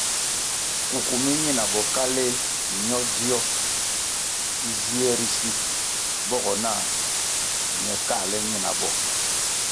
Kuku mi ñina bokaléh ño dzio zie ri si bogo nah ñe káhle ñinabo.